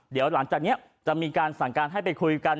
เดี๋ยวหลังจากนี้จะมีการสั่งการให้ไปคุยกัน